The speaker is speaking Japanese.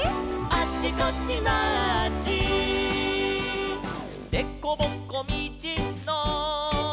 「あっちこっちマーチ」「でこぼこみちの」